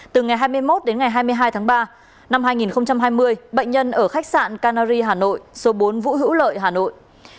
từ ngày hai mươi một đến ngày hai mươi hai tháng ba năm hai nghìn hai mươi bệnh nhân ở khách sạn canary hà nội số bốn vũ hữu lợi hà nội